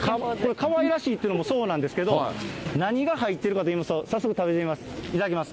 かわいらしいっていうのもそうなんですけど、何が入ってるかといいますと、早速食べてみます、いただきます。